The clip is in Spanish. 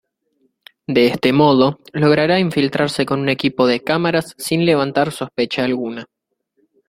De este modo, logrará infiltrarse con un equipo de cámaras sin levantar sospecha alguna.